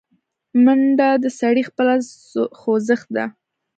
منډه د سړي خپله خوځښت ده